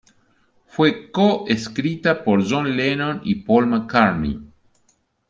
Fue co-escrita por John Lennon y Paul McCartney.